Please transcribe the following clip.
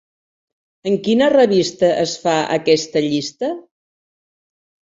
En quina revista es fa aquesta llista?